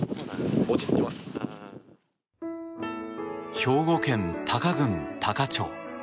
兵庫県多可郡多可町。